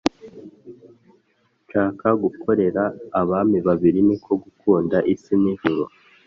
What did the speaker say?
nshaka gukorera abami babiri niko gukunda isi n’ ijuru